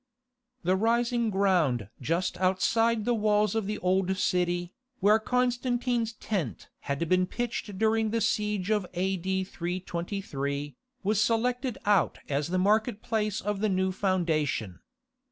The rising ground just outside the walls of the old city, where Constantine's tent had been pitched during the siege of A.D. 323, was selected out as the market place of the new foundation.